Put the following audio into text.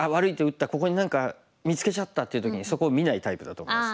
ここに何か見つけちゃった」っていう時にそこを見ないタイプだと思います。